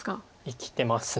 生きてます。